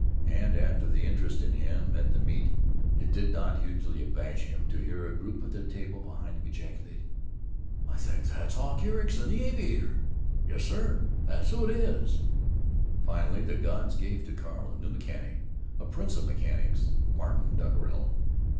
And after the interest in him at the meet it did not hugely abash him to hear a group at a table behind him ejaculate: "I think that's Hawk Ericson, the aviator! Yes, sir, that's—who—it—is!" Finally the gods gave to Carl a new mechanic, a prince of mechanics, Martin Dockerill.